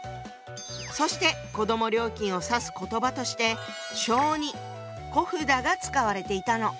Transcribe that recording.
そして子ども料金を指す言葉として小児小札が使われていたの。